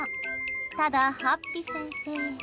ただ、はっぴ先生。